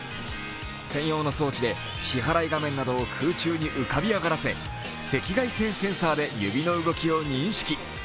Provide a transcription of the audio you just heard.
専用の装置で支払い画面などを空中に浮かび上がらせ、赤外線センサーで指の動きを認識。